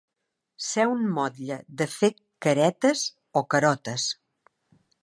Ser un motlle de fer caretes o carotes.